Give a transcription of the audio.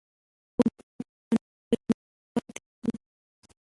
موږ باید قانون ته ژمن پاتې شو